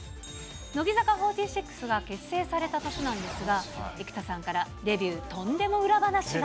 乃木坂４６が結成された年なんですが、生田さんからデビューとんでも裏話が。